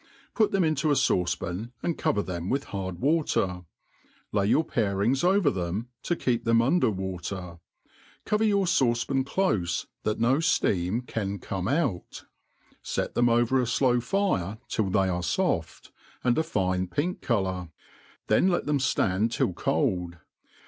Put them into a ftucepan, and cover them with bard water ; lay your parings over them, to keep ^hem under water ; cover your faucepan clofc, that no fieam can come out ; fet them over a flow, fire till they are foft, and a fine pink colour ; then let them ((and till cold.